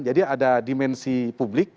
jadi ada dimensi publik